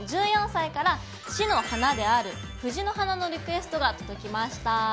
１４歳から市の花である「藤の花」のリクエストが届きました。